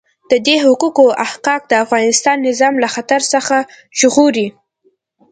د دې حقوقو احقاق د افغانستان نظام له خطر څخه ژغوري.